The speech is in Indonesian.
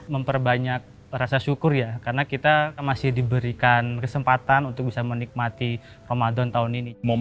memperbanyak rasa syukur ya karena kita masih diberikan kesempatan untuk bisa menikmati ramadan tahun ini